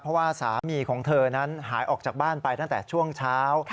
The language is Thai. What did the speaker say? เพราะว่าสามีของเธอนั้นหายออกจากบ้านไปตั้งแต่ช่วงเช้า